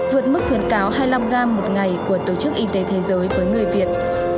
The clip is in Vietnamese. vượt mức khuyến cáo hai mươi năm gram một ngày của tổ chức y tế thế giới với người việt